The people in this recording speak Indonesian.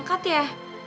gak diangkat ya